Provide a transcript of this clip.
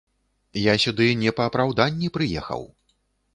Я сюды не па апраўданні прыехаў.